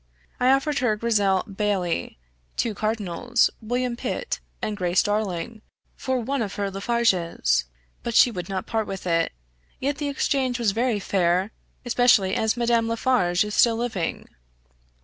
I offered her Grizzel Baillie, two Cardinals, William Pitt, and Grace Darling, for one of her Laffarges; but she would not part with it. Yet the exchange was very fair, especially as Madame Laffarge is still living."